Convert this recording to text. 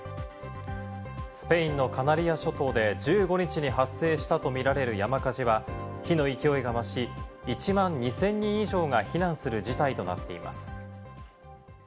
スペインのカナリア諸島で１５日に発生したと見られる山火事は、火の勢いが増し、１万２０００人以上が避難する事態となっています。